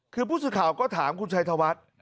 คือผู้สึกข่าวก็ถามคุณชัยธวัส